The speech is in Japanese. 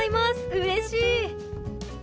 うれしい！